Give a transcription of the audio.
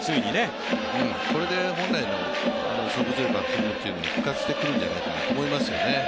これで本来の勝負強いバッテイングが復活してくるんじゃないかと思いますね。